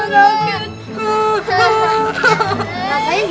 rasanya gimana sih